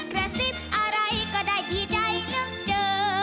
กระซิบอะไรก็ได้ที่ใดน้องเจอ